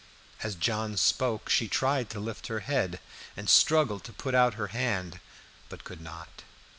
As John spoke she tried to lift her head and struggled to put out her hand, but could not.